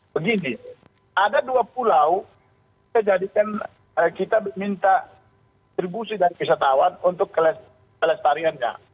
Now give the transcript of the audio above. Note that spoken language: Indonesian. begini ada dua pulau kita jadikan kita minta distribusi dari wisatawan untuk kelestariannya